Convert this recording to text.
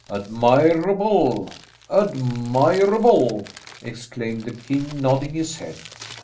"Admirable, admirable!" exclaimed the king nodding his head.